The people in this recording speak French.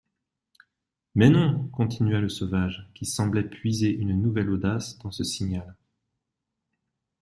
Mais non ! continua le sauvage, qui semblait puiser une nouvelle audace dans ce signal.